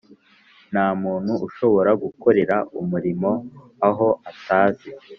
Nta muntu ushobora gukorera umurimo aho atazi